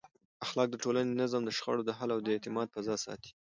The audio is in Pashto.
اخلاق د ټولنې د نظم، د شخړو د حل او د اعتماد فضا ساتي.